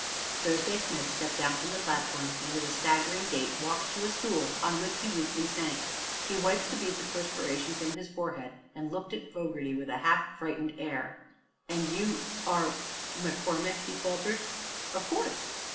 Thursday Smith stepped down from the platform and with a staggering gait walked to a stool, on which he weakly sank. He wiped the beads of perspiration from his forehead and looked at Fogerty with a half frightened air. "And you are McCormick?" he faltered. "Of course."